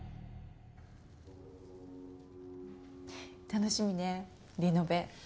楽しみねリノベ。